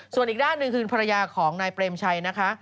ส่วนอีกด้านหนึ่งคือภรรยาของนายเปรมชัยนะคะ